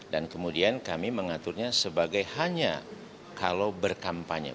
dan kemudian kami mengaturnya sebagai hanya kalau berkampanye